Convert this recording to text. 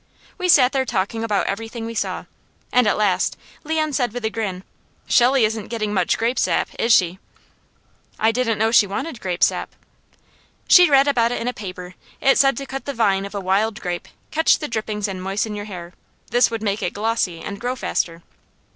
We sat there talking about everything we saw, and at last Leon said with a grin: "Shelley isn't getting much grape sap is she?" "I didn't know she wanted grape sap." "She read about it in a paper. It said to cut the vine of a wild grape, catch the drippings and moisten your hair. This would make it glossy and grow faster."